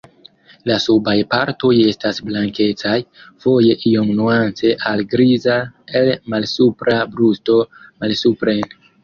La subaj partoj estas blankecaj, foje iom nuance al griza el malsupra brusto malsupren.